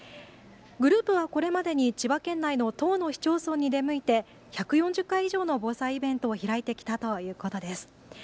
グループはこれまでに千葉県内の１０の市町村に出向いて１４０回以上の防災イベントを開いてきたということです。